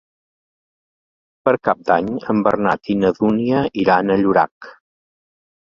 Per Cap d'Any en Bernat i na Dúnia iran a Llorac.